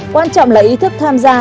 quan trọng là ý thức tham gia